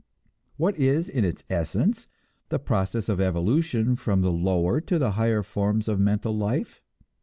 What is, in its essence, the process of evolution from the lower to the higher forms of mental life?